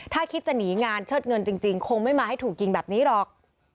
ถ้าคิดจะหนีงานเชิดเงินจริงคงไม่มาให้ถูกยิงแบบนี้หรอก